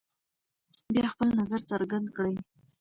بیا خپل نظر څرګند کړئ.